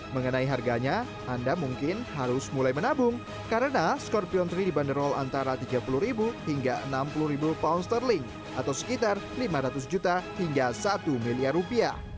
mengenai harganya anda mungkin harus mulai menabung karena scorpion tiga dibanderol antara rp tiga puluh hingga rp enam puluh atau sekitar rp lima ratus hingga rp satu